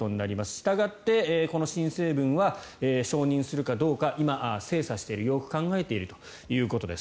したがってこの申請分は承認するかどうか今、精査しているよく考えているということです。